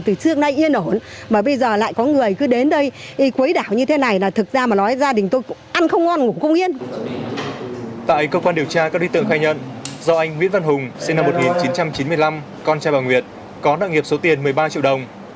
tại cơ quan điều tra các đối tượng khai nhận do anh nguyễn văn hùng sinh năm một nghìn chín trăm chín mươi năm con trai bà nguyệt có nợ nghiệp số tiền một mươi ba triệu đồng